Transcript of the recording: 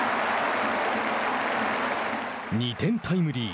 ２点タイムリー。